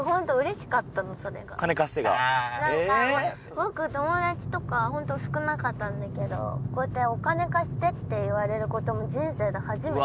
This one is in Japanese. ボク友達とかホント少なかったんだけどこうやって「お金貸して」って言われる事も人生で初めてで。